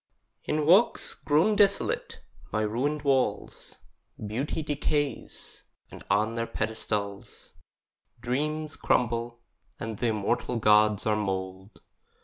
In walks grown desolate, by ruined walls, Beauty decays; and on their pedestals Dreams crumble, and th' immortal gods are mould.